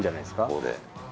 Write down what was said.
ここで。